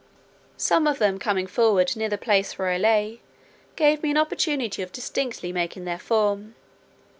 Some of them coming forward near the place where I lay, gave me an opportunity of distinctly marking their form.